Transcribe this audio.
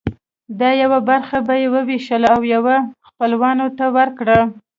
دا یوه برخه به یې وویشله او یوه خپلوانو ته ورکړه.